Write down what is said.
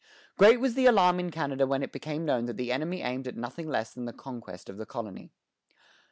Great was the alarm in Canada when it became known that the enemy aimed at nothing less than the conquest of the colony.